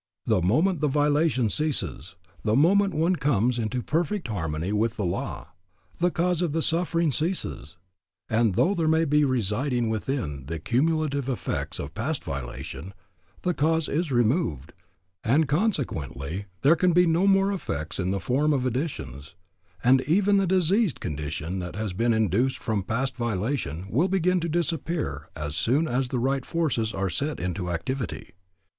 The moment the violation ceases, the moment one comes into perfect harmony with the law, the cause of the suffering ceases; and though there may be residing within the cumulative effects of past violation, the cause is removed, and consequently there can be no more effects in the form of additions, and even the diseased condition that has been induced from past violation will begin to disappear as soon as the right forces are set into activity.